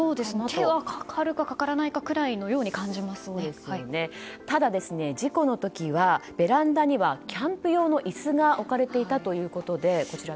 手はかかるかかからないかくらいにただ、事故の時はベランダにはキャンプ用の椅子が置かれていたということで。